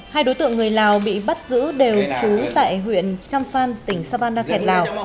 hai đối tượng người lào bị bắt giữ đều trú tại huyện trăm phan tỉnh savanna khẹt lào